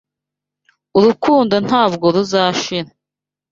Urukundo ntabwo ruzashira